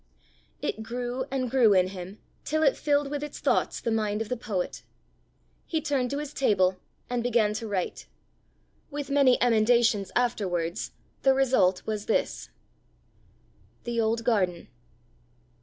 It grew and grew in him, till it filled with its thoughts the mind of the poet. He turned to his table, and began to write: with many emendations afterwards, the result was this: THE OLD GARDEN.